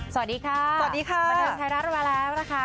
สวัสดีค่ะสวัสดีค่ะบันเทิงไทยรัฐเรามาแล้วนะคะ